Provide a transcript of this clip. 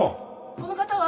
この方は